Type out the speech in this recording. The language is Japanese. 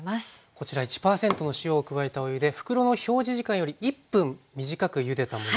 こちら１％の塩を加えたお湯で袋の表示時間より１分短くゆでたものです。